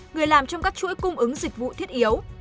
người làm trong các chuỗi cung ứng dịch vụ thiết yếu